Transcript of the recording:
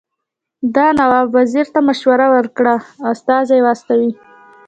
ده نواب وزیر ته مشوره ورکړه استازي واستوي.